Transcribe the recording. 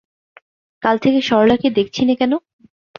কাল থেকে সরলাকে দেখছি নে কেন।